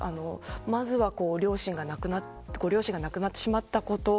まずはご両親が亡くなってしまったこと。